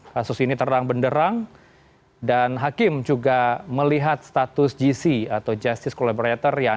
kasus ini terang benderang dan hakim juga melihat status gc atau justice collaborator